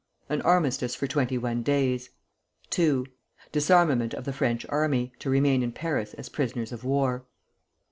An armistice for twenty one days. II. Disarmament of the French army, to remain in Paris as prisoners of war.